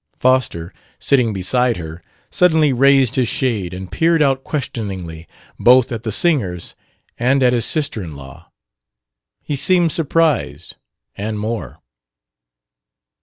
Foster, sitting beside her, suddenly raised his shade and peered out questioningly, both at the singers and at his sister in law. He seemed surprised and more.